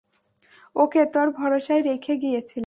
ওকে তোর ভরসায় রেখে গিয়েছিলাম।